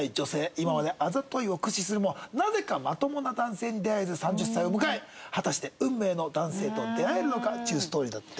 今まであざといを駆使するもなぜかまともな男性に出会えず３０歳を迎え果たして運命の男性と出会えるのか？っていうストーリーだって。